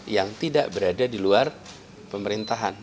yang tidak berada di luar pemerintahan